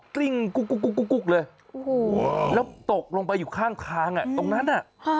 กุ๊กเลยแล้วตกลงไปอยู่ข้างตรงนั้นน่ะ